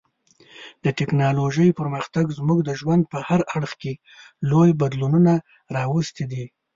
د ټکنالوژۍ پرمختګ زموږ د ژوند په هر اړخ کې لوی بدلونونه راوستي دي.